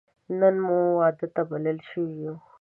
نن موږ واده ته بلل شوی یو